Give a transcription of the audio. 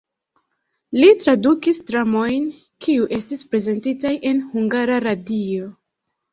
Li tradukis dramojn, kiuj estis prezentitaj en Hungara Radio.